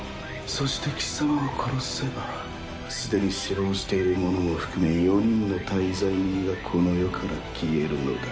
そして貴様を殺せばすでに死亡している者も含め四人の大罪人がこの世から消えるのだ。